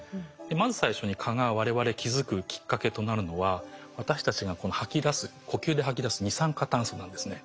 まず最初に蚊がわれわれ気付くきっかけとなるのは私たちが吐き出す呼吸で吐き出す二酸化炭素なんですね。